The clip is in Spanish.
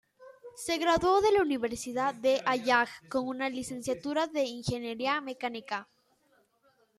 Se graduó de la Universidad de Hanyang con una licenciatura en ingeniería mecánica.